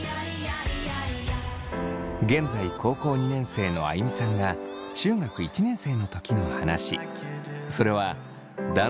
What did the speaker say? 現在高校２年生のあいみさんが中学１年生の時の話。